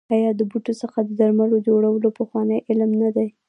آیا د بوټو څخه د درملو جوړول پخوانی علم نه دی؟